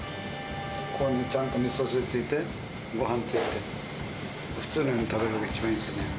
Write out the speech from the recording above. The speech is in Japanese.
ここにちゃんとみそ汁ついて、ごはんついて、普通のように食べられるのが一番いいですよね。